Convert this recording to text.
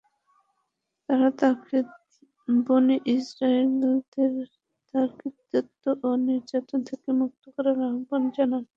তাঁরা তাকে বনী ইসরাঈলদের তার কর্তৃত্ব ও নির্যাতন থেকে মুক্ত করার আহ্বান জানান।